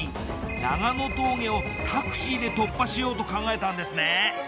長野峠をタクシーで突破しようと考えたんですね。